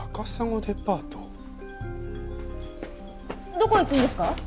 どこ行くんですか？